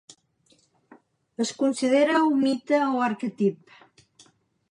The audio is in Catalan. Es considera un mite o arquetip.